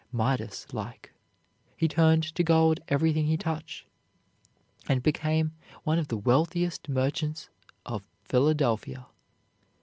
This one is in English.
Midas like, he turned to gold everything he touched, and became one of the wealthiest merchants of Philadelphia.